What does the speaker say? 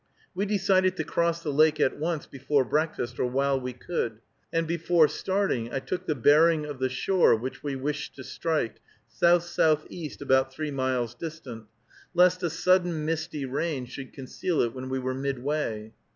We decided to cross the lake at once, before breakfast, or while we could; and before starting I took the bearing of the shore which we wished to strike, S. S. E. about three miles distant, lest a sudden misty rain should conceal it when we were midway.